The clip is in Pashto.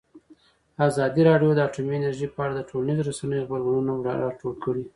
ازادي راډیو د اټومي انرژي په اړه د ټولنیزو رسنیو غبرګونونه راټول کړي.